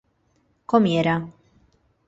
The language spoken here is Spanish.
comiera